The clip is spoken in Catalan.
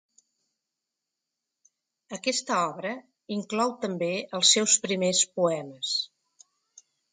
Aquesta obra inclou també els seus primers poemes.